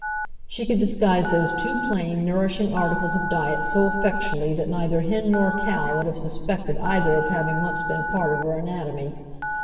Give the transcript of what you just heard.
She could disguise those two plain, nourishing articles of diet so effectually that neither hen nor cow would have suspected either of having once been part of her anatomy.